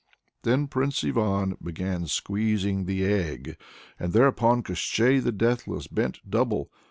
Then Prince Ivan began squeezing the egg, and thereupon Koshchei the Deathless bent double.